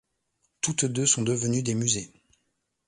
Toutes deux sont devenues des musées.